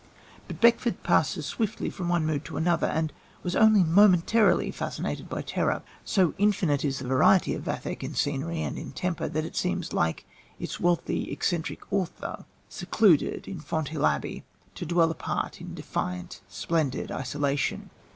But Beckford passes swiftly from one mood to another, and was only momentarily fascinated by terror. So infinite is the variety of Vathek in scenery and in temper that it seems like its wealthy, eccentric, author secluded in Fonthill Abbey, to dwell apart in defiant, splendid isolation.